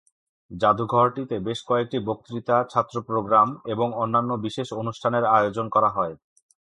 জাদুঘরটিতে বেশ কয়েকটি বক্তৃতা, ছাত্র প্রোগ্রাম এবং অন্যান্য বিশেষ অনুষ্ঠানের আয়োজন করা হয়।